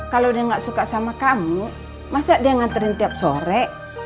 kalau dia nggak suka sama kamu masa dia nganterin tiap sore